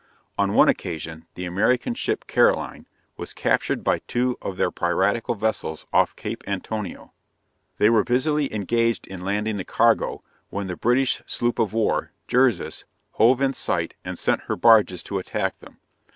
On one occasion, the American ship Caroline, was captured by two of their piratical vessels off Cape Antonio. They were busily engaged in landing the cargo, when the British sloop of war, Jearus, hove in sight and sent her barges to attack them.